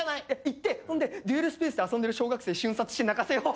行ってデュエルスペースで遊んでる小学生瞬殺して泣かせよう。